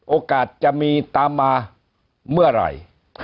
โอกาสจะมีตามมาเมื่อไหร่